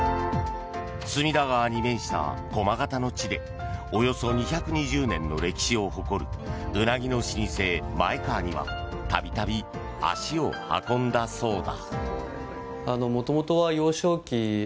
隅田川に面した駒形の地でおよそ２２０年の歴史を誇るウナギの老舗、前川には度々、足を運んだそうだ。